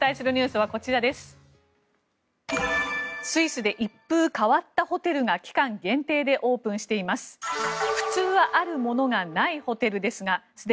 スイスで一風変わったホテルが期間限定でオープンしています。